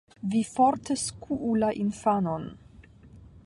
Vi forte skuu la infanon.